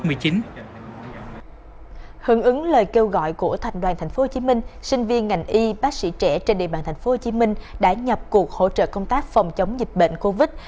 hưởng ứng lời kêu gọi của thành đoàn tp hcm sinh viên ngành y bác sĩ trẻ trên địa bàn tp hcm đã nhập cuộc hỗ trợ công tác phòng chống dịch bệnh covid